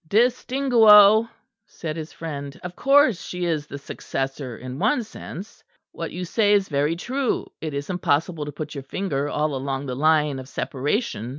"Distinguo," said his friend. "Of course she is the successor in one sense: what you say is very true. It is impossible to put your finger all along the line of separation.